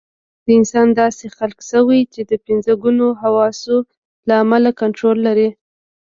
انسان داسې خلق شوی چې د پنځه ګونو حواسو له امله کنټرول لري.